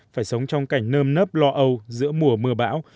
phải sống trong cảnh nơm nớp lo âu giữa mùa mưa bão